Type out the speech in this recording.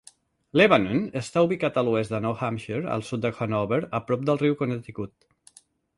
Lebanon està ubicat a l'oest de Nou Hampshire, al sud de Hanover, a prop del riu Connecticut.